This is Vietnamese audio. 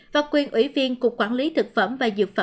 và quyền ủy viên cục quản lý thực phẩm và dược phẩm